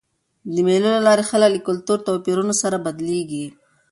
د مېلو له لاري خلک له کلتوري توپیرونو سره بلدیږي.